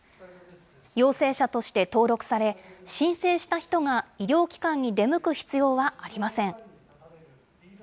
陽性者として登録され、申請した人が医療機関に出向く必要はありません。